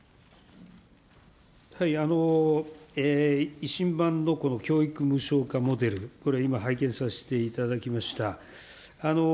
維新版のこの教育無償化モデル、これ、今拝見させていただきました。